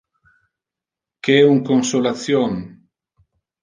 Que un consolation!